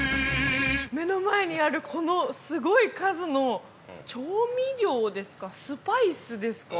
目の前にあるこのすごい数の調味料ですか？